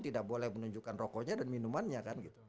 tidak boleh menunjukkan rokoknya dan minumannya